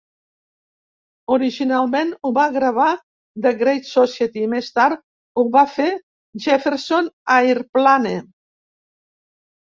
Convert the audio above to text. Originalment ho va gravar The Great Society i, més tard, ho va fer Jefferson Airplane.